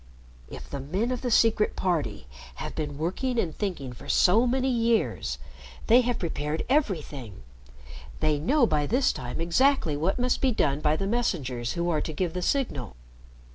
"If the men of the Secret Party have been working and thinking for so many years they have prepared everything. They know by this time exactly what must be done by the messengers who are to give the signal.